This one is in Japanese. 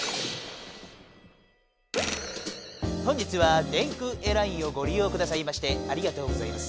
本日は電空エアラインをごりようくださいましてありがとうございます。